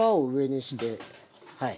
はい。